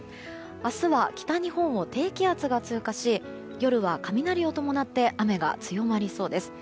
明日は北日本を低気圧が通過し夜は雷を伴って雨が強まりそうです。